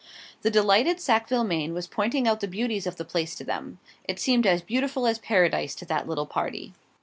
The delighted Sackville Maine was pointing out the beauties of the place to them. It seemed as beautiful as Paradise to that little party.